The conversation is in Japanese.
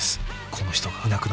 この人がいなくなれば。